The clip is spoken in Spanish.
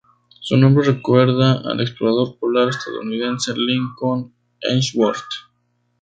Su nombre recuerda al explorador polar estadounidense Lincoln Ellsworth.